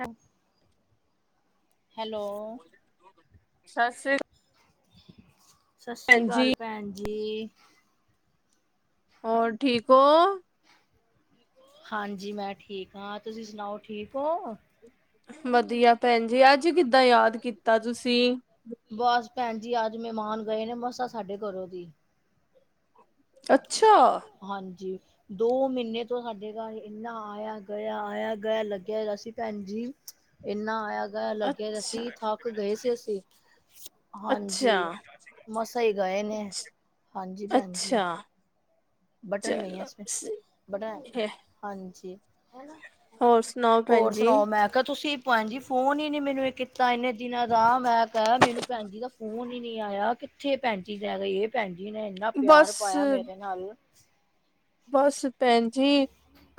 ਹਾਂ। ਹੈਲੋ, ਸਤਿ ਸ੍ਰੀ ਅਕਾਲ। ਸਤਿ ਸ਼੍ਰੀ ਭੈਣ ਜੀ ਅਕਾਲ ਭੈਣ ਜੀ। ਹੋਰ ਠੀਕ ਹੋ। ਹਾਂਜੀ। ਮੈਂ ਠੀਕ ਹਾਂ। ਤੁਸੀਂ ਸੁਣਾਓ ਠੀਕ ਹੋ? ਵਧੀਆ ਭੈਣ ਜੀ। ਅੱਜ ਕਿੱਦਾਂ ਯਾਦ ਕੀਤਾ ਤੁਸੀਂ। ਬਸ ਭੈਣ ਜੀ। ਅੱਜ ਮਹਿਮਾਨ ਗਏ ਨੇ ਮੱਸਾਂ ਸਾਡੇ ਘਰੋਂ ਦੀ। ਅੱਛਾ। ਹਾਂਜੀ। ਦੋ ਮਹੀਨੇ ਤੋਂ ਸਾਡੇ ਘਰ ਇੰਨਾ ਆਇਆ- ਗਿਆ, ਆਇਆ- ਗਿਆ ਲੱਗਿਆ ਸੀ ਭੈਣ ਜੀ। ਇੰਨਾ ਆਇਆ ਲੱਗਿਆ ਅੱਛਾ ਸੀ। ਥੱਕ ਗਏ ਸੀ ਅਸੀਂ। ਹਾਂਜੀ। ਅੱਛਾ ਮਸਾ ਹੀ ਗਏ ਨੇ। ਹਾਂਜੀ ਭੈਣ ਜੀ। ਅੱਛਾ ਬਟਨ ਨਹੀਂ ਹੈ ਚਲੋ ਇਸ ਮੇ, ਸਹੀ ਬਟਨ ਹੈ। ਹਾਂਜੀ। ਹੋਰ ਸੁਣਾਓ ਭੈਣ ਹੋਰ ਜੀ ਸੁਣਾਓ ਮੈਂ ਤੁਸੀਂ ਭੈਣ ਜੀ ਫੋਨ ਹੀ ਨੀ ਮੈਨੂੰ ਇਹ ਕੀਤਾ ਇੰਨੇ ਦਿਨਾਂ ਦਾ, ਮੈਂ ਕਿਹਾ, ਮੈਨੂੰ ਭੈਣ ਜੀ ਦਾ ਫੋਨ ਹੀ ਨਹੀਂ ਆਇਆ। ਕਿੱਥੇ ਭੈਣ ਜੀ ਲੈ ਗੀਏ, ਇਹ ਭੈਣਜੀ। ਇੰਨਾ ਪਿਆਰ ਬਸ ਪਾਇਆ ਮੇਰੇ ਨਾਲ। ਬਸ ਭੈਣ ਜੀ।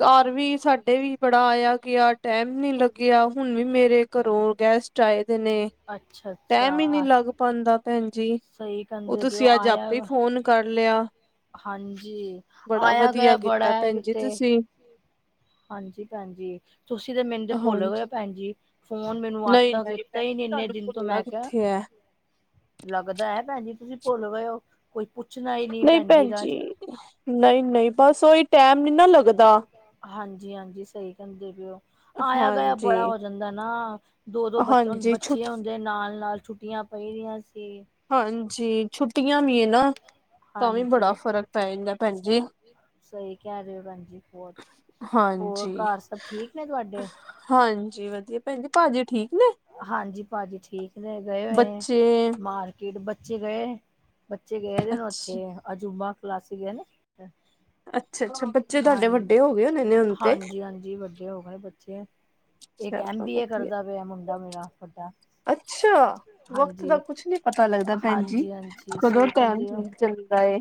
ਘਰ ਵੀ ਸਾਡੇ ਵੀ ਬੜਾ ਆਇਆ ਗਿਆ। ਟੈਮ ਨੀ ਲੱਗਾ ਗਿਆ। ਹੁਣ ਵੀ ਮੇਰੇ ਘਰੋਂ ਗੈਸਟ ਆਏ ਦੇ ਨੇ। ਅੱਛਾ ਟਾਈਮ ਹੀ ਨਹੀਂ ਅੱਛਾ ਲੱਗ ਆਉਦਾ ਭੈਣ ਜੀ। ਸਹੀ ਉਹ ਕਹਿੰਦੇ ਪਏ ਤੁਸੀਂ ਅੱਜ ਆਪੇ ਆਇਆ ਫੋਨ ਕਰ ਲਿਆ। ਹਾਂਜੀ। ਬੜਾ ਆਇਆ- ਵਧੀਆ ਗਿਆ ਕੀਤਾ ਬੜਾ ਹੈ। ਭੈਣ ਇਕ ਜੀ ਤੇ ਤੁਸੀਂ ਹਾਂਜੀ ਭੈਣ ਜੀ। ਤੁਸੀਂ ਤਾਂ ਮੈਨੂੰ ਤੇ ਭੁੱਲ ਹਾਂਜੀ ਗਏ ਹੋ ਭੈਣ ਜੀ। ਫੋਨ ਮੈਨੂੰ ਆੱਦ ਨਹੀਂ ਤਤਾ ਹੀ ਨਹੀਂ ਇੰਨੇ ਦਿਨ ਤੋਂ ਮੈਂ ਕਿਹਾ, ਹ ਲੱਗਦਾ ਹੈ ਭੈਣ ਜੀ ਤੁਸੀਂ ਭੁੱਲ ਗਏ ਹੋ। ਕੋਈ ਪੁੱਛਣਾ। ਨਹੀਂ ਭੈਣ ਜੀ। ਨਹੀਂ- ਨਹੀਂ ਬਸ ਉਹੀ ਟੈਮ ਨੀ ਨਾ ਲੱਗਦਾ। ਹਾਂਜੀ- ਹਾਂਜੀ ਸਹੀ ਕਹਿੰਦੇ ਪਏ ਉ। ਆਇਆ- ਗਆ ਹਾਂਜੀ ਬੜਾ ਹੋ ਜਾਂਦਾ ਨਾ। ਦੋ- ਦੋ ਬ ਹਾਂਜੀ ਬੱਚੇ ਛੁੱਟ ਹੁੰਦੇ ਨਾਲ- ਨਾਲ ਛੁੱਟੀਆਂ ਪਈ ਰਆਂ ਸੀ। ਹਾਂਜੀ। ਛੁੱਟੀਆਂ ਵੀ ਹੈ ਨਾ। ਤਾਂ ਵੀ ਬੜਾ ਹਾਂਜੀ ਫ਼ਰਕ ਪੈ ਜਾਂਦਾ ਭੈਣ ਜੀ। ਸਹੀ ਕਹਿ ਰਹੇ ਹੋ ਭੈਣ ਜੀ ਬਹੁਤ ਹੋਰ ਹਾਂਜੀ। ਘਰ ਸਭ ਠੀਕ ਨੇ ਤੁਹਾਡੇ ਹਾਂਜੀ। ਵਧੀਆ ਭੈਣ ਜੀ ਭਾਜੀ ਠੀਕ। ਨੇ ਹਾਂਜੀ ਭਾਜੀ ਠੀਕ ਨੇ, ਗਏ ਹੋਏ ਬੱਚੇ ਮਾਰਕੀਟ, ਬੱਚੇ ਗਏ। ਬੱਚੇ ਗਏ ਨੇ ਨੇ ਅੱਛਾ ਉੱਥੇ ਅਜੂਬਾ ਕਲਾਸੀ ਗਏ ਨੇ। ਅੱਛਾ- ਅੱਛਾ ਬੱਚੇ ਤੁਹਾਡੇ ਹਾਂਜੀ ਵੱਡੇ ਹੋ ਗਏ। ਹੋਣੇ ਨੇ ਹੁਣ ਤੇ ਹਾਂਜੀ ਹਾਂਜੀ ਵੱਡੇ ਹੋ ਗਏ ਨੇ ਬੱਚੇ ਇੱਕ ਐਮ ਚਲੋ ਬੀਏ ਵਧੀਆ ਕਰਦਾ ਪਿਆ ਮੁੰਡਾ ਮੇਰਾ ਵੱਡਾ ਅੱਛਾ ਵਕਤ ਦਾ ਹਾਂਜੀ ਕੁਛ ਨਹੀਂ ਪਤਾ ਲੱਗਦਾ ਭੈਣ ਜੀ ਹਾਂਜੀ-ਹਾਂਜੀ ਕਦੋਂ ਸਹੀ ਟਾਈਮ ਠੀਕ ਚੱਲਦਾ ਇਹ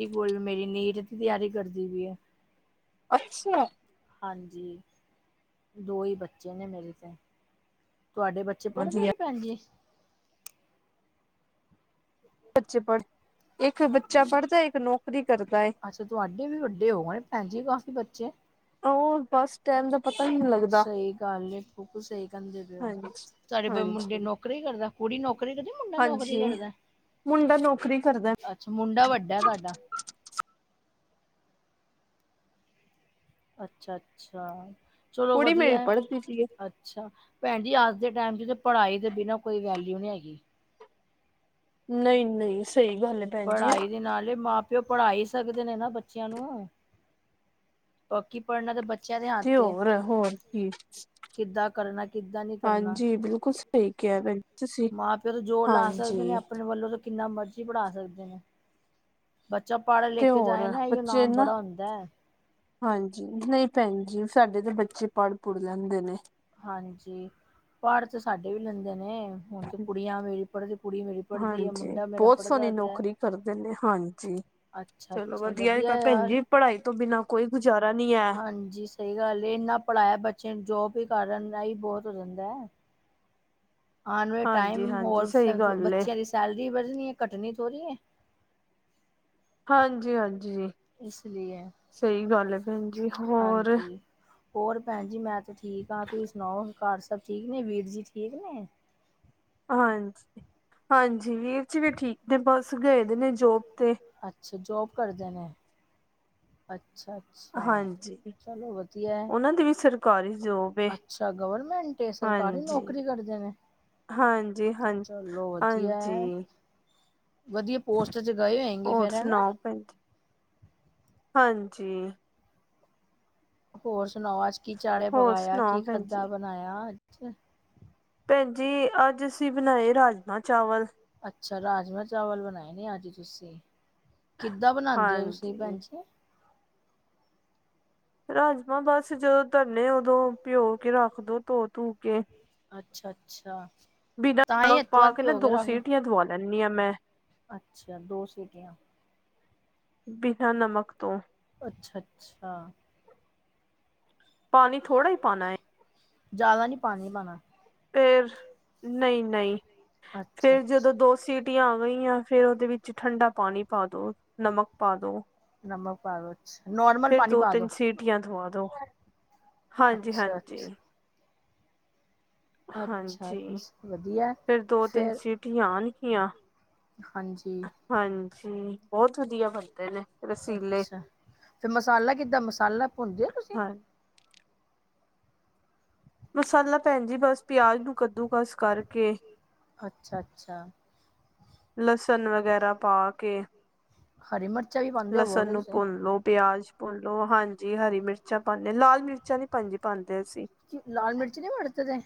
ਇੱਕ ਕੁੜੀ ਮੇਰੀ ਨੀਟ ਦੀ ਤਿਆਰੀ ਕਰਦੀ ਪਈ ਹੈ। ਅੱਛਾ। ਹਾਂਜੀ ਦੋ ਹੀ ਬੱਚੇ ਨੇ ਮੇਰੇ 'ਤੇ ਤੁਹਾਡੇ ਬੱਚੇ ਪੜ੍ਹਨਦੇ ਵਧੀਆ ਨੀ ਪੈਣਗੇ ਬੱਚੇ ਪੜ੍ਹ ਇੱਕ ਬੱਚਾ ਪੜ੍ਹਦਾ ਇੱਕ ਨੌਕਰੀ ਕਰਦਾ ਏ। ਅੱਛਾ ਤੁਹਾਡੇ ਵੀ ਵੱਡੇ ਹੋ ਗਏ ਭੈਣ ਜੀ ਕਾਫੀ ਬੱਚੇ ਉਹ ਬੱਸ ਸਟੈਂਦ ਪਤਾ ਹੀ ਨੀ ਦਾ। ਸਹੀ ਗੱਲ ਸਹੀ ਕਹਿੰਦੇ ਪਏ ਹੋ ਹਾਂਜੀ ਤੁਡੇ ਮੁੰਡੇ ਨੌ ਹਾਂਜੀ ਨੌਕਰੀ ਕਰਦਾ ਕੁੜੀ ਨੌਕਰੀ ਕਰ ਮੁੰਡਾ ਨੌਕਰੀ ਹਾਂਜੀ ਕਰਦਾ ਮੁੰਡਾ ਨੌਕਰੀ ਕਰਦਾ ਅੱਛਾ ਮੁੰਡਾ ਵੱਡਾ ਤੁਹਾਡਾ। ਅੱਛਾ-ਅੱਛਾ ਚਲੋ ਕੁੜੀ ਮੇਰੀ ਵਧੀਆ ਪੜ੍ਹਦੀ ਪਈ ਏ ਅ ਅੱਛਾ, ਭੈਣ ਜੀ ਅੱਜ ਦੇ ਟਾਈਮ'ਚ ਤੇ ਪੜ੍ਹਾਈ ਦੇ ਬਿਨਾਂ ਕੋਈ ਵੈਲਿਊ ਨਹੀਂ ਹੈਗੀ। ਨਹੀਂ-ਨਹੀਂ ਸਹੀ ਗੱਲ ਐ, ਭੈਣ ਜੀ। ਪੜ੍ਹਾਈ ਨਾਲੇ ਮਾ ਤੇ, ਉਹ ਪੜ੍ਹਾ ਹੀ ਸਕਦੇ ਨੇ ਨਾ ਬੱਚਿਆਂ ਨੂੰ। ਬਾਕੀ ਪੜ੍ਹਨਾ ਤਾ ਬੱਚਿਆ ਦੇ ਤੇ ਹੱਥ ਏ। ਹੋਰ ਹੋਰ ਕੀ ਕਿੱਦਾਂ ਕਰਨਾ ਕਿੱਦਾਂ ਨੀ ਕਰਨਾ, ਹਾਂਜੀ ਬਿਲਕੁਲ ਸਹੀ ਕਿਹਾ ਭੈਣ ਤੁਸੀਂ ਮਾਂ-ਪਿਓ ਤੇ ਜੋੋਰ ਲਾ ਸਕਦੇ ਨੇ ਹਾਂਜੀ ਆਪ ਆਪਣੇ ਵੱਲੋਂ ਤਾਂ ਕਿੰਨਾ ਮਰਜ਼ੀ ਪੜ੍ਹਾ ਸਕਦੇ ਨੇ। ਬੱਚਾ ਤੇ ਪੜ-ਲਿਖ ਹੋਰ ਜਾਏ ਨਾ ਇਈਓ ਬੱਚੇ ਨਾਮ ਨਾ ਬੜਾ ਹੋਂਦੈ। ਹਾਂਜੀ ਨਹੀਂ ਭੈਣ ਜੀ ਸਾਡੇ ਤਾਂ ਬੱਚੇ ਪੜ੍ਹ ਪੜ ਲੈਂਦੇ ਨੇ ਹਾਂਜੀ ਪੜ ਤੇ ਸਾਡੇ ਵੀ ਲੈਂਦੇ ਨੇ ਹੁਣ ਤੇ ਕੁੜੀਆਂ ਮੇਰੀ ਪੜ੍ਹਦੀ ਕੁੜੀ ਮੇਰੀ ਪੜ੍ਹਦੀ ਹੈ ਹਾਂਜੀ ਮੁੰਡਾ ਮੇਰਾ ਬਹੁਤ ਪੜ੍ਹਦਾ ਸੋਹਣੀ ਪਿਆ ਨੌਕਰੀ ਕਰਦੇ ਨੇ ਹਾਂਜੀ ਅੱਛਾ ਚਲੋ ਅੱਛਾ ਵਧੀਆ ਭੈਣ ਯਾਰ ਜੀ ਪੜ੍ਹਾਈ ਤੋਂ ਬਿਨਾਂ ਕੋਈ ਗੁਜ਼ਾਰਾ ਨਹੀਂ ਹੈ। ਪੰਜੀਸ ਸਹੀ ਗੱਲ ਇੰਨਾ ਪੜ੍ਹਾਇਆ ਬੱਚੇ ਨੂੰ ਜੋਬ ਹੀ ਕਾਰਨ ਦਾ ਹੀ ਬਹੁਤ ਹੋ ਜਾਂਦਾ ਹੈ। ਆਉਣ ਵਾਲਾ ਟਾਈਮ ਹਾਂਜੀ-ਹਾਂਜੀ ਹੋਰ ਸਹੀ ਸਬ ਗੱਲ ਏ ਬੱਚਿਆਂ ਦੀ ਸੈਲਰੀ ਵਧਣੀ ਹੈ। ਘਟਣੀ ਥੋੜ੍ਹੀ ਹੈ। ਹਾਂਜੀ- ਹਾਂਜੀ ਇਸ ਲਈ ਸਹੀ ਗੱਲ ਹੈ। ਭੈਣ ਜੀ ਹੋਰ ਹਾਂਜੀ ਹੋਰ ਭੈਣ ਜੀ ਮੈਂ ਤੇ ਠੀਕ ਹਾਂ ਤੁਸੀਂ ਸੁਣਾਓ ਘਰ ਸਭ ਠੀਕ ਨੇ ਵੀਰ ਜੀ ਠੀਕ ਨੇ। ਹਾਂਜੀ- ਹਾਂਜੀ ਵੀਰ ਜੀ ਵੀ ਠੀਕ ਨੇ ਬਸ ਗਏ ਦੇ ਨੇ ਜੋਬ ਤੇ। ਅੱਛਾ ਜੋਬ ਕਰਦੇ ਨੇ। ਅੱਛਾ। ਅੱਛਾ। ਹਾਂਜੀ। ਚਲੋ ਵਧੀਆ ਐ, ਉਹਨਾਂ ਦੀ ਵੀ ਸਰਕਾਰੀ ਜੋਬ ਏ ਅੱਛਾ, ਗਵਰਮੈਂਟ? ਤੇ ਸਰਕਾਰੀ ਹਾਂਜੀ ਨੌਕਰੀ ਕਰਦੇ ਨੇ? ਹਾਂਜੀ ਹਾਂ ਚਲੋ ਵਧੀਆ ਹੈ ਹਾਂਜੀ। ਵਧੀਆ ਪੋਸਟਰ ਚ ਗਏ ਹੈਂਗੇ ਫੇਰ ਹੈ ਨਾ। ਪੇਂਟ, ਹਾਂਜੀ। ਹੋਰ ਸੁਣਾਓ ਅੱਜ ਕੀ ਚਾੜਿਆ, ਹੋਰ ਪਕਾਇਆ, ਕੀ ਸੁਣਾਓ ਭੈਣ ਖਾਦਾ ਜੀ। ਬਣਾਇਆ ਅੱਜ? ਭੈਣਜੀ ਅੱਜ ਅਸੀ ਬਣਾਏ ਰਾਜਮਾ ਚਾਵਲ। ਅੱਛਾ ਰਾਜਮਾਂ-ਚਾਵਲ ਬਣਾਏ ਨੇ ਅੱਜ ਤੁਸੀਂ, ਕਿੱਦਾਂ ਬਣਾਂਦੇ ਹੋ ਤੁਸੀ ਹਾਂਜੀ। ਭੈਣ ਜੀ? ਰ੍ਹਾਜਮਾਂ ਬਸ ਜਦੋਂ ਧਰਨੇ ਉਦੋਂ ਭਿਂਓਕੇ ਰੱਖਦੋ ਧੋ-ਧੁਕੇ। ਅੱਛਾ-ਅੱਛਾ ਬਿਨਾਂ ਕ [unintelligible] ਪਾਕੇ ਨਾ ਦੋ ਸੀਟੀਆਂ ਦਵਾ ਲੈਂਨੀ ਆਂ ''ਮੈਂ। ਅੱਛਾ ਦੋ ਸੀਟੀਆਂ ਬਿਨਾ ਨਮਕ ਤੋ। ਅੱਛਾ-ਅੱਛਾ। ਪਾਨੀ ਥੋੜਾ ਈ ਪਾਨਾ ਏ। ਜ਼ਿਆਦਾ ਨੀ ਪਾਨੀ ਪਾਨਾ। ਫੇਰ, ਨਹੀਂ-ਨਹੀੱ, ਅੱਛਾ ਫੇਰ ਜਦੋਂ ਅੱਛਾ ਦੋਸ ਸੀਟੀਆਂ ਹੋ ਗਈਆਂ, ਫੇਰ ਉਹਦੇ ਵਿੱਚ ਠੰਡਾ ਪਾਣੀ ਪਾਦੋ, ਨਮਕ ਪਾਦੋ। ਨਮਕ ਪਾਦੋ ਨੌਰ ਫਿਰ ਦੋ ਤਿੰਨ ਸੀਟੀਆਂ ਦਵਾ ਦੋ ਹਾਂਜੀ, ਅੱਛਾ ਅੱਛਾ ਹਾਂਜੀ। ਅੱਛਾ ਹਾਂਜੀ ਅੱਛਾ ਵਧੀਆ ਫਿਰ ਦੋ ਤਿੰਨ ਫਿਰ ਸੀਟ ਆਣਗੀਆਂ। ਹਾਂਜੀ। ਹਾਂਜੀ ਬਹੁਤ ਵਧੀਆ ਬਣਦੇ ਨੇ ਰਸੀਲੇ ਅੱਛਾ ਫਿਰ ਮਸਾਲਾ ਕਿੱਦਾਂ ਮਸਾਲਾ ਭੁੰਦੇ ਹੋ ਤੁਸੀਂ। ਹਾਂ ਮਸਾਲਾ ਭੈਣ ਜੀ ਬਸ ਪਿਆਜ਼ ਨੂੰ ਕੱਦੂ ਕਸ ਕਰਕੇ ਅੱਛਾ ਅੱਛਾ ਲਸਣ ਵਗੈਰਾ ਪਾ ਕੇ ਹਰੀ ਮਿਰਚ ਵੀ ਪਾ ਲਸਣ ਨੂੰ ਭੁੰਨ ਲਓ ਪਿਆਜ ਭੁਨ ਲੋ ਹਾਂਜੀ ਹਰੀ ਮਿਰਚਾਂ ਪਾਉਂਦੇ ਲਾਲ ਮਿਰਚਾਂ ਨੀ ਪਾਉਂਦੇ ਅਸੀਂ। ਲਾਲ ਮਿਰਚ ਨਹੀਂ ਵਰਤਦੇ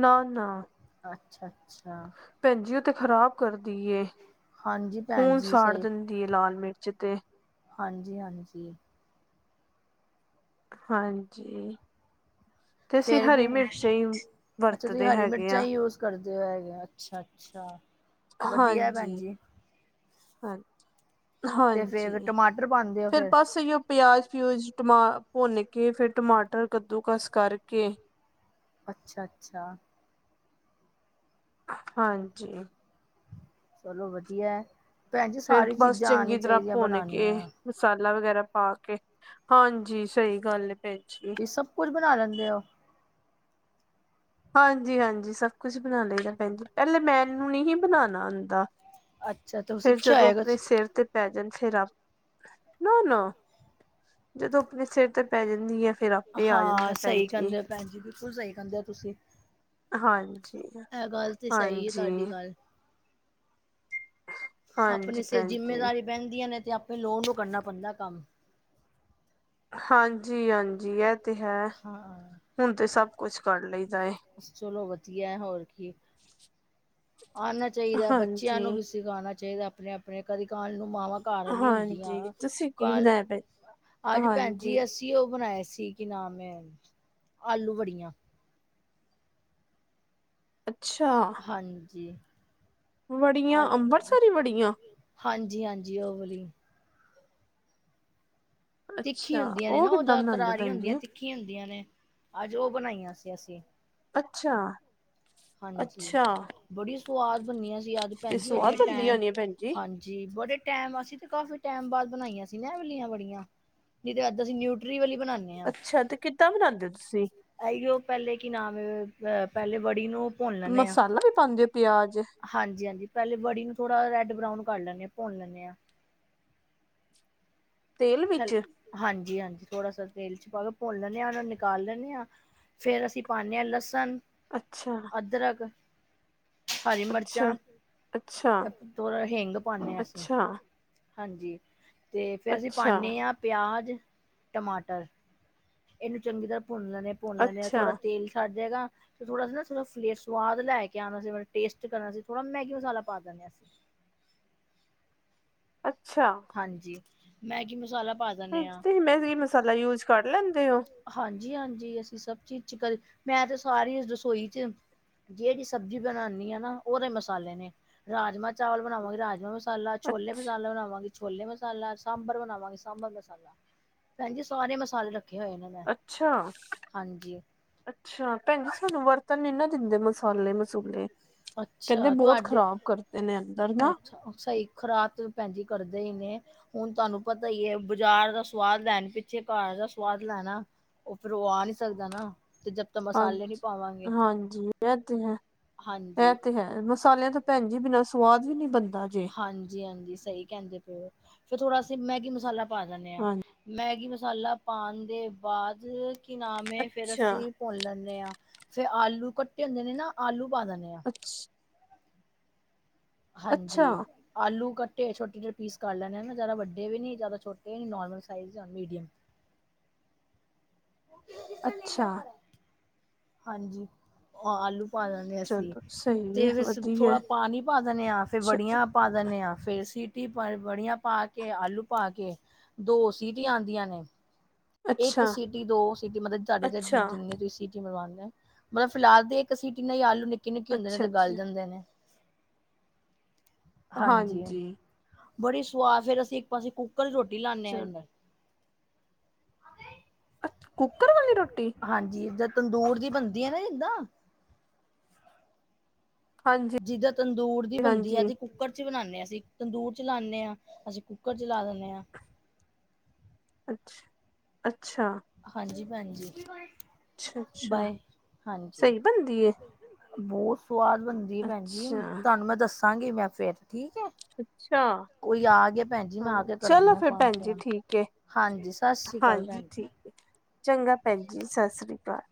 ਨਾ, ਨਾ ਅੱਛਾ, - ਅੱਛਾ। ਭੈਣ ਜੀ ਉਹ ਤੇ ਖ਼ਰਾਬ ਕਰਦੀ ਏ ਹਾਂਜੀ ਭੈਣ ਖੂਨ ਜੀ ਸਾੜ ਸਹੀ ਦਿੰਦੀ ਹੈ ਲਾਲ ਮਿਰਚ ਤੇ ਹਾਂਜੀ, ਹਾਂਜੀ। ਹਾਂਜੀ। ਤੇ ਅਸੀਂ ਫੇਰ ਕੀ ਹਰੀ ਮਿਰਚ ਹੀ ਅੱਛਾ ਤੁਸੀਂ ਵਰਤਦੇ ਹਰੀ ਹੈਗੇ ਮਿਰਚਾਂ ਹੈ ਹੀ ਯੂਜ ਕਰਦੇ ਹੈਗੇ ਆ, ਅੱਛਾ-ਅੱਛਾ। ਹਾਂਜੀ, ਹਾਂਜੀ। ਤੇ ਫੇਰ ਹਾਂਜੀ, ਟਮਾਟਰ ਪਾਉਂਦੇ ਹੋ ਫਿਰ ਫੇਰ ਬਸ ਏਈਓ ਪਿਆਜ਼ ਪਿਊਜ ਟਮਾ ਭੁੰਨ ਕੇ ਫੇਰ ਟਮਾਟਰ ਕੱਦੂ ਕਸ ਕਰਕੇ ਅੱਛਾ-ਅੱਛਾ। ਹਾਂਜੀ। ਚਲੋ ਵਧੀਆ ਭੈਣ ਜੀ ਫੇਰ ਸਾਰੀ ਬਸ ਚੀਜ਼ਾਂ ਚੰਗੀ ਆਣੀ ਤਰ੍ਹਾਂ ਚਾਹੀਦੀਆਂ ਭੁੰਨ ਕੇ ਬਣਾਉਣੀਆਂ। ਮਸਾਲਾ ਵਗੈਰਾ ਪਾ ਕੇ ਹਾਂਜੀ ਸਹੀ ਗੱਲ ਭੈਣ ਜੀ ਤੁਸੀਂ ਸਭ ਕੁੱਝ ਬਣਾ ਲੈਂਦੇ ਹੋ। ਹਾਂਜੀ, ਹਾਂਜੀ ਸਭ ਕੁਛ ਬਣਾ ਲਈਦਾ ਭੈਣ ਜੀ ਪਹਿਲੇ ਮੈਨੂੰ ਨਹੀਂ ਬਣਾਉਣਾ ਆਉਂਦਾ। ਅੱਛਾ ਤੋਂ। ਫਿਰ ਜਦੋਂ ਆਪਣੇ ਸਿਰ ਤੇ ਪੈ ਜਾਣ ਸਿਰ ਨਾ ਨਾ ਜਦੋਂ ਆਪਣੇ ਸਿਰ ਤੇ ਪੈ ਜਾਂਦੀ ਆ ਫਿਰ ਆਪੇ ਆ ਜਾਂਦਾ ਹਾਂ ਹੈ ਭੈਣ ਸਹੀ ਜੀ। ਕਹਿੰਦੇ ਹੋ ਭੈਣ ਬਿਲਕੁਲ ਸਹੀ ਕਹਿੰਦੇ ਹੋ ਤੁਸੀਂ ਹਾਂਜੀ, ਇਹ ਗੱਲ ਤਾਂ ਸਹੀ ਹੈ ਤੁਹਾਡੀ ਹਾਂਜੀ। ਗੱਲ ਹਾਂਜੀ ਆਪਣੇ ਸਿਰ ਭੈਣ ਜੀ। ਜਿੰਮੇਦਾਰੀ ਬਹਿੰਦੀਆਂ ਨੇ ਤੇ ਆਪਣੇ ਲੋੜ ਨੂੰ ਕਰਨਾ ਪੈਂਦਾ ਕੰਮ ਹਾਂਜੀ, ਹਾਂਜੀ ਇਹ ਤੇ ਹੈ ਹਾਂ ਹੁਣ ਤੇ ਸਭ ਕੁਛ ਕਰ ਲਈਦਾਏ। ਚਲੋ ਵਧੀਆ ਹੋਰ ਕੀ ਆਣਾ ਚਾਹੀਦਾ ਬੱਚਿਆਂ ਨੂੰ ਹਾਂਜੀ, ਵੀ ਸਿਖਾਉਣਾ ਚਾਹੀਦਾ ਆਪਣੇ ਆਪਣੇ ਕਦੀ ਕਲ ਨੂੰ ਮਾਵਾਂ ਕਾਰਨ ਨਹੀਂ ਹੁੰਦੀਆਂ ਹਾਂਜੀ ਤੁਸੀਂ ਕੀ ਕੱਲ ਬਣਾਇਆ ਭੈਣ ਅੱਜ ਭੈਣ ਜੀ ਹਾਂਜੀ। ਅਸੀਂ ਅਸੀਂ ਉਹ ਬਣਾਏ ਸੀ ਕਿ ਨਾਮ ਏ ਆਲੂ ਵੜੀਆ। ਅੱਛਾ। ਹਾਂਜੀ। ਵੜੀਆ ਅੰਮ੍ਰਿਤਸਰੀ ਵੜੀਆ। ਹਾਂਜੀ, ਹਾਂਜੀ ਉਹ ਵਾਲੀ ਤਿੱਖੀ ਅੱਛਾ ਹੁੰਦੀਆਂ ਨੇ ਨਾ ਉਹ ਕਿੱਦਾਂ ਜਾਂ ਬਣਾਉਂਦੇ ਕਰਾਰੀ ਭੈਣ ਹੁੰਦੀਆਂ ਜੀ ਤਿੱਖੀਆਂ ਹੁੰਦੀਆਂ ਨੇ ਅੱਜ ਉਹ ਬਣਾਈਆਂ ਸੀ ਅਸੀਂ। ਅੱਛਾ। ਹਾਂਜੀ ਅੱਛਾ ਬੜੀ ਸਵਾਦ ਬਣਨੀਆਂ ਸੀ ਅੱਜ ਤੇ ਭੈਣ ਜੀ ਇੰਨੇ ਸਵਾਦ ਬਣਦੀ ਟਾਈਮ ਹੋਣੀ ਆ ਭੈਣ ਜੀ। ਹਾਂਜੀ। ਜੀ ਬੜੇ ਟਾਈਮ ਅਸੀ ਤੇ ਕਾਫੀ ਟਾਈਮ ਬਾਅਦ ਬਣਾਈਆਂ ਸੀ ਇਹ ਵਾਲਿਆ ਵੜੀਆਂ। ਨਹੀਂ ਤੇ ਅੱਜ ਅਸੀਂ ਨਿਊਟਰੀ ਵਾਲੀ ਅੱਛਾ ਤੇ ਕਿੱਦਾਂ ਬਣਾਂਦੇ ਹੋ ਤੁਸੀਂ। ਇਹੀਓ ਪਹਿਲੇ ਕੀ ਨਾਮ ਐ ਅਹ ਪਹਿਲੇ ਵੜੀ ਨੂੰ ਮਸਾਲਾ ਵੀ ਪਾਂਦੇ ਹੋ ਪਿਆਜ ਹਾਂਜੀ ਹਾਂਜੀ ਪਹਿਲੇ ਵੜੀ ਨੂੰ ਥੋੜਾ ਰੈੱਡ ਬਰਾਊਨ ਕਰ ਲੈਂਦੇ ਹਾਂ ਭੁੰਨ ਲੈਂਦੇ ਹਾਂ। ਤੇਲ ਵਿੱਚ, ਹਾਂਜੀ ਹਾਂਜੀ ਥੋੜਾ ਸਾ ਤੇਲ ਵਿੱਚ ਪਾ ਦੋ ਚ ਪਾ ਕੇ ਭੁੰਨ ਲੈਂਦੇ ਹਾਂ ਉਹ ਨਿਕਾਲ ਲੈਣੇ ਆ। ਫਿਰ ਅਸੀਂ ਪਾਨੇ ਆ ਲਸਣ। ਅੱਛਾ, ਅਦਰਕ, ਹਰੀ ਅੱਛਾ ਮਿਰਚਾਂ ਅੱਛਾ ਤੇ ਹਿੰਗ ਪਾਂਦੇ ਹਾਂ ਅਸੀਂ। ਅੱਛਾ ਹਾਂਜੀ ਤੇ ਫਿਰ ਅਸੀਂ ਅੱਛਾ ਪਾਨੇ ਹਾਂ ਪਿਆਜ਼ ਟਮਾਟਰ। ਇਹਨੂੰ ਚੰਗੀ ਤਰ੍ਹਾਂ ਭੁੰਨ ਲੈਂਣੇ ਭੁੰਨ ਲੈਂਦੇ ਆ‌ ਅੱਛਾ ਥੋੜ੍ਹਾ ਤੇਲ ਸੱੜ ਜਾਏਗਾ। ਤੇ ਥੋੜਾ ਸੀ ਨਾ ਥੋੜਾ ਫਲੇਅ ਸਵਾਦ ਲੈ ਕੇ ਆਣ ਸੀ ਟੇਸਟ ਕਰਨਾ ਸੀ ਥੋੜਾ ਮੈਗੀ ਮਸ਼ਾਲਾ ਪਾ ਦਿੰਦੇ ਸੀ। ਅੱਛਾ, ਹਾਂਜੀ ਮੈਗੀ ਮਸ਼ਾਲਾ। ਤੁਸੀਂ ਮੈਗੀ ਮਸਾਲਾ ਯੂਜ ਕਰ ਲੈਂਦੇ ਹੋ। ਹਾਂਜੀ ਹਾਂਜੀ ਅਸੀਂ ਸਭ ਚੀਜ਼ ਚ ਕਰੀ ਮੈਂ ਤੇ ਸਾਰੀ ਰਸੋਈ ਚ ਜਿਹੜੀ ਸਬਜ਼ੀ ਬਣਾਦੀ ਆ ਨਾ ਉਹਦੇ ਮਸਾਲੇ ਨੇ ਰਾਜਮਾਂ ਚਾਵਲ ਬਣਾਵਾਂਗੇ ਰਾਜਮਾਂ। ਮਸਾਲਾ ਛੋਲੇ ਮਸਾਲਾ ਬਣਾਵਾਂਗੇ। ਛੋਲੇ ਮਸਾਲਾ ਸਾਂਬਰ ਬਣਾਵਾਂਗੇ ਸਾਂਬਰ ਮਸਾਲਾ ਭੈਣ ਜੀ ਸਾਰੇ ਮਸਾਲੇ ਰੱਖ ਰੱਖੇ ਹੋਏ ਨੇ ਮੈਂ ਅੱਛਾ ਹਾਂਜੀ। ਅੱਛਾ ਭੈਣ ਜੀ ਸਾਨੂੰ ਵਰਤਨ ਨੀ ਨਾ ਦਿੰਦੇ ਮਸਾਲੇ ਮਸੂਲੇ ਕਹਿੰਦੇ ਅੱਛਾ ਬਹੁਤ ਤੁਹਾਡੇ ਖ਼ਰਾਬ ਕਰਦੇ ਨੇ ਅੰਦਰ ਨਾ ਅੱਛਾ ਸਹੀ ਖਰਾਤ ਭੈਣ ਜੀ ਕਰਦੇ ਹੀ ਨੇ ਹੁਣ ਤੁਹਾਨੂੰ ਪਤਾ ਹੀ ਐ ਬਜ਼ਾਰ ਦਾ ਸਵਾਦ ਲੈਣ ਪਿੱਛੇ ਘਰ ਦਾ ਸਵਾਦ ਲੈਣਾ ਉਹ ਫਿਰ ਉਹ ਆ ਨਹੀਂ ਸਕਦਾ ਨਾ ਤ ਮਸਾਲੇ ਨਹੀਂ ਹਾਂਜੀ ਪਾਵਾਂਗੇ ਹਾਂਜੀ, ਇਹ ਤੇ ਹੈ ਇਹ ਹਾਂਜੀ ਤੇ ਹੈ ਮਸਾਲਿਆਂ ਤਾਂ ਭੈਣ ਜੀ ਬਿਨਾਂ ਸਵਾਦ ਵੀ ਨੀ ਬਣਦਾ ਜੇ ਹਾਂਜੀ ਹਾਂਜੀ ਸਹੀ ਕਹਿੰਦੇ ਪਏ ਹੋ ਫੇਰ ਥੋੜਾ ਅਸੀਂ ਮੈਗੀ ਮਸਾਲਾ ਪਾ ਦਿੰਦੇ ਹਾਂ। ਹਾਂਜੀ ਮੈਗੀ ਮਸਾਲਾ ਪਾਣ ਦੇ ਬਾਅਦ ਕੀ ਨਾਮ ਐ ਫੇਰ ਅੱਛਾ ਅਸੀਂ, ਭੁੰਨ ਲੈਂਦੇ ਹਾਂ ਫੇਰ ਆਲੂ ਕੱਟੇ ਹੁੰਦੇ ਨੇ ਨਾ ਆਲੂ ਪਾ ਦਿੰਦੇ ਹਾਂ। [inaudible] ਅੱਛਾ, ਹਾਂਜੀ, ਆਲੂ ਕੱਟੇ ਛੋਟੇ ਛੋਟੇ ਪੀਸ ਕਰ ਲੈਂਦੇ‌ ਜਿਆਦਾ ਵੱਡੇ ਵੀ ਨਹੀਂ ਜ਼ਿਆਦਾ ਛੋਟੇ ਵੀ ਨਹੀਂ ਨੋਰਮਲ ਸਾਈਜ਼ ਮੀਡੀਅਮ। ਅੱਛਾ ਹਾਂਜੀ ਆਲੂ, ਪਾ ਦਿੰਦੇ ਆ ਅਸੀਂ ਚਲੋ ਸਹੀ ਹੈ ਅਤੇ ਫਿਰ ਵਧੀਆ ਥੋੜ੍ਹਾ ਪਾਣੀ ਪਾ ਦਿੰਦੇ ਹਾਂ ਫਿਰ ਚਲੋ ਬੜੀਆਂ ਪਾ ਦਿੰਦੇ ਹਾਂ ਫਿਰ ਸੀਟੀ ਪਾ ਬੜੀਆਂ ਪਾ ਕੇ ਆਲੂ ਪਾ ਕੇ। ਦੋ ਸੀਟੀਆਂ ਹੀ ਆਂਦੀਆਂ ਨੇ। ਇੱਕ ਅੱਛਾ, ਸਿਟੀ ਦੋ ਸਿਟੀ ਮਤਲਬ ਤੁਹਾਡੇ ‌ ਅੱਛਾ, ਜਿੰਨੀ ਤੁਸੀਂ ਵਾ ਮਤਲਬੇ ਫਿਲਹਾਲ ਦੇ ਇੱਕ ਸੀਟੀ ਨਾਲ ਆਲੂ ਨਿ, ਕੇ ਨਿੱਕੇ ਹੁੰਦੇ ਨੇ ਅੱਛਾ, ਤੇ ਗੱਲ ਅੱਛਾ ਜਾਂਦੇ ਨੇ ਹਾਂਜੀ। ਬੜੀ ਸੁਆਦ ਫੇਰ ਅਸੀਂ ਇੱਕ ਪਾਸੇ ਕੁੱਕਰ ਰੋਟੀ ਲੈਣੇ ਆ ਚਲ ਇਧਰ। ਕੁੱਕਰ ਵਾਲੇ ਰੋਟੀ। ਹਾਂਜੀ ਜਦ ਤੰਦੂਰ ਦੀ ਬਣਦੀ ਆ ਨਾ ਜਿੱਦਾਂ। ਹਾਂਜੀ, ਜਿੱਦਾਂ ਤੰਦੂਰ ਦੀ ਬਣਦੀ ਹਾਂਜੀ ਹੈਗੀ ਕੁੱਕਰ। ਕੁੱਕਰ ਚ ਬਣਾਂਦੇ ਆ ਅਸੀਂ ਤੰਦੂਰ ਚ ਲਾਂਦੇ ਆ ਅਸੀਂ ਕੁੱਕਰ ਚ ਲਾ ਦਿੰਦੇ ਹਾਂ। ਅੱਛਾ ਅੱਛਾ ਹਾਂਜੀ ਭੈਣਜੀ ਅੱਛਾ, ਅੱਛਾ ਬਾਏ ਹਾਂਜੀ ਸਹੀ ਬਣਦੀ ਏ ਬਹੁਤ ਸਵਾਦ ਬਣਦੀ ਆ ਭੈਣ ਜੀ ਅੱਛਾ, ‌ਤੁਹਾਨੂੰ ਮੈਂ ਦੱਸਾਂਗੀ ਮੈਂ ਫਿਰ ਠੀਕ ਹੈ। ਅੱਛਾ ਕੋਈ ਆ ਗਿਆ ਭੈਣ ਜੀ ਮੈਂ ਆ ਹਾਂ ਕੇ ਕਰਦੀ ਚਲੋ ਹੈ ਫਿਰ ਤੁਹਾਨੂੰ ਭੈਣ ਜੀ ਫੋਨ ਠੀਕ ਏ ਹਾਂਜੀ ਸਤਿ ਸ੍ਰੀ ਅਕਾਲ ਭੈਣ ਹਾਂਜੀ ਜੀ। ਠੀਕ ਏ ਚੰਗਾ ਭੈਣ ਜੀ ਸਤਿ ਸ੍ਰੀ ਅਕਾਲ